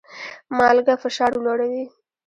مالګه فشار لوړوي